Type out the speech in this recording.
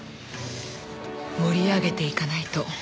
盛り上げていかないと。